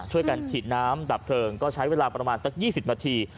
ช่วยกันฉีดน้ำดับเพลิงก็ใช้เวลาประมาณสัก๒๐นาที